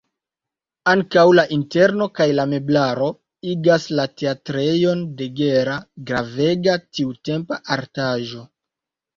Ankaŭ la interno kaj la meblaro igas la teatrejon de Gera gravega tiutempa artaĵo.